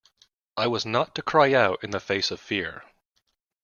I was not to cry out in the face of fear.